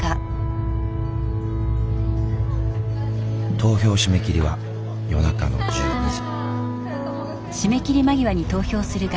投票締め切りは夜中の１２時。